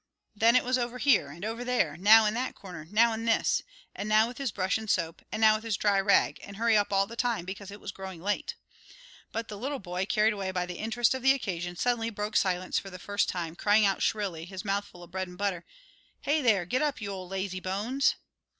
Then it was over here, and over there, now in that corner, now in this, and now with his brush and soap, and now with his dry rag, and hurry up all the time because it was growing late. But the little boy, carried away by the interest of the occasion, suddenly broke silence for the first time, crying out shrilly, his mouth full of bread and butter, "Hey there! Get up, you old lazee bones!"